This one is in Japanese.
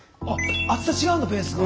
厚さ違うんだベースが。